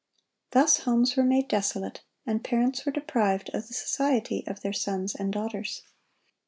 Thus homes were made desolate, and parents were deprived of the society of their sons and daughters.